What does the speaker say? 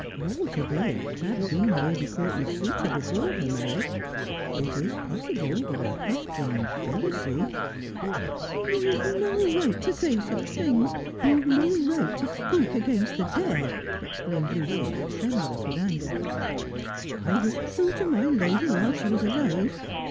Walter Blake had been Lady Cour tenay's suitor before her marriage. It is possible that a husband's jealousy '' You have no right to say such things. You have no right to speak against the dead,' exclaimed Lucy, tremulous with anger. ' I was true to my lady while she was alive.